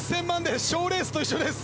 賞レースと一緒です。